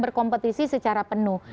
berkompetisi secara penuh